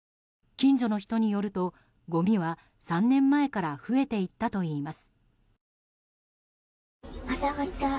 近所の人によるとごみは３年前から増えていったたといいます。